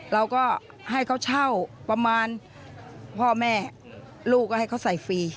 เราก็ให้เขาเช่าประมาณพ่อแม่ลูกก็ให้เขาใส่ฟรี